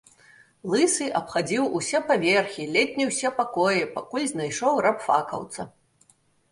Лысы абхадзіў усе паверхі, ледзь не ўсе пакоі, пакуль знайшоў рабфакаўца.